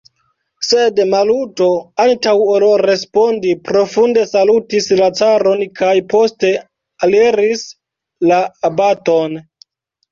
Sed Maluto, antaŭ ol respondi, profunde salutis la caron kaj poste aliris la abaton.